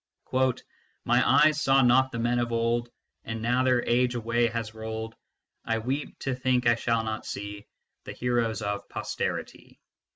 " My eyes saw not the men of old ; And now their age away has rolled. I weep to think I shall not see The heroes of posterity."